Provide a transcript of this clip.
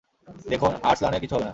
দেখুন, আর্সলানের কিছু হবে না।